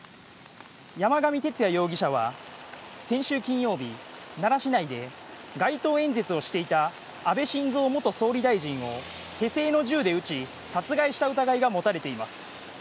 山上徹也容疑者は先週金曜日、奈良市内で街頭演説をしていた安倍晋三元総理大臣を手製の銃で撃ち、殺害した疑いが持たれています。